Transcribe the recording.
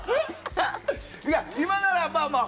今なら、まあまあ。